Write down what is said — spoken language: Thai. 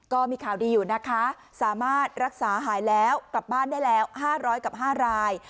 ก็มีข่าวดีอยู่นะคะสามารถรักษาหายแล้วกลับบ้านได้แล้ว๕๐๐กับ๕ราย